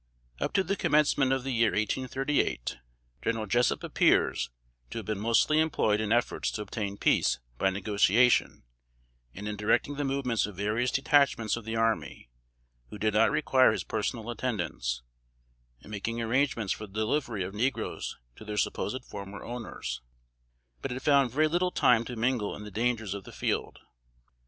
Up to the commencement of the year 1838, General Jessup appears to have been mostly employed in efforts to obtain peace by negotiation and in directing the movements of various detachments of the army, who did not require his personal attendance, and making arrangements for the delivery of negroes to their supposed former owners; but had found very little time to mingle in the dangers of the field.